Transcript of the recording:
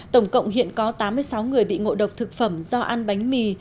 tổng cộng hiện có tám mươi sáu người bị ngộ độc thực phẩm do ăn bánh mì